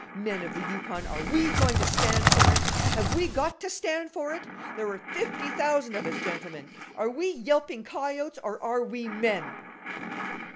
Men of the Yukon, are we going to stand for it? Have we got to stand for it? There are fifty thousand of us, gentlemen! Are we yelping coyotes or are we men?"